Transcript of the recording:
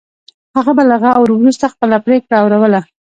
هغه به له غور وروسته خپله پرېکړه اوروله.